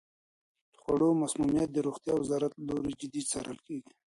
د خوړو مسمومیت د روغتیا د وزارت له لوري جدي څارل کیږي.